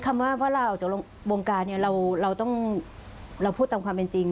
คำว่าลาออกจากวงการเราต้องพูดตามความเป็นจริง